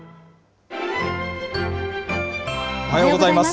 おはようございます。